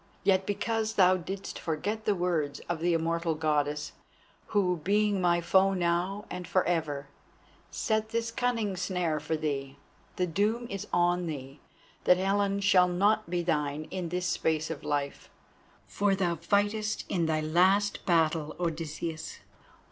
Yet because thou didst forget the words of the immortal Goddess, who, being my foe now and for ever, set this cunning snare for thee, the doom is on thee, that Helen shall not be thine in this space of life. For thou fightest in thy last battle, Odysseus.